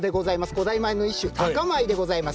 古代米の一種赤米でございます。